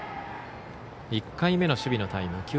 １回目の守備のタイム。